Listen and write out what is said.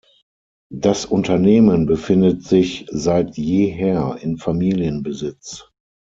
Das Unternehmen befindet sich seit jeher in Familienbesitz.